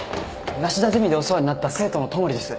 梨多ゼミでお世話になった生徒の戸守です。